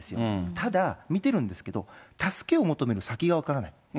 ただ、見てるんですけど、助けを求める先が分からない。